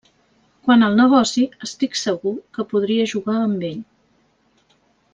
Quant al negoci, estic segur que podria jugar amb ell.